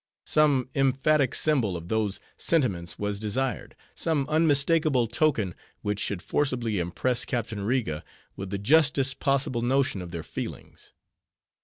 Some emphatic symbol of those sentiments was desired; some unmistakable token, which should forcibly impress Captain Riga with the justest possible notion of their feelings.